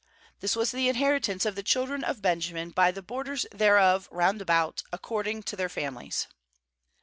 This was the inher , itance of the children of Benjamin, by the borders thereof jround about, ac cording to their families.